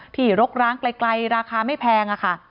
ที่รกร้างไกลราคาไม่แพง